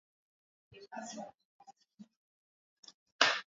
tumia unga wa viazi lishe